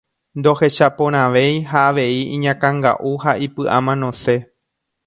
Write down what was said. Ndohechaporãvei ha avei iñakãnga'u ha ipy'amanose.